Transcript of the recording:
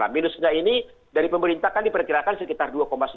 minusnya ini dari pemerintah kan diperkirakan sekitar dua sembilan